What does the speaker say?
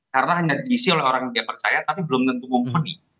karena hanya diisi oleh orang yang dia percaya tapi belum tentu mempunyai